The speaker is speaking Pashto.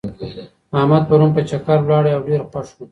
احمد پرون په چکر ولاړی او ډېر خوښ و.